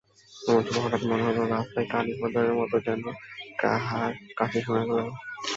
এমন সময় হঠাৎ মনে হইল, রাস্তায় কালীপদর মতো যেন কাহার কাশি শোনা গেল।